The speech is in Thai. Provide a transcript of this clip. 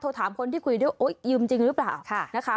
ถามคนที่คุยด้วยโอ๊ยยืมจริงหรือเปล่านะคะ